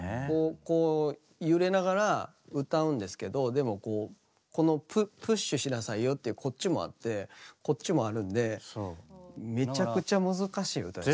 こう揺れながら歌うんですけどでもこうこのプッシュしなさいよってこっちもあってこっちもあるんでめちゃくちゃ難しい歌です。